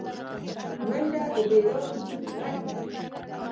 منډه د بیدار وجود غږ دی